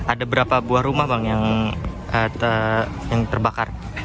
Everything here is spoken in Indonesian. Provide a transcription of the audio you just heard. ada berapa buah rumah bang yang terbakar